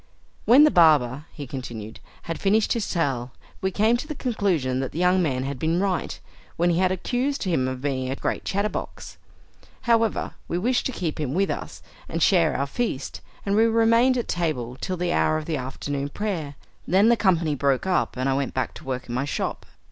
"When the barber," he continued, "had finished his tale, we came to the conclusion that the young man had been right, when he had accused him of being a great chatter box. However, we wished to keep him with us, and share our feast, and we remained at table till the hour of afternoon prayer. Then the company broke up, and I went back to work in my shop.